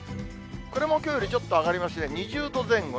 これもきょうよりちょっと上がりまして、２０度前後。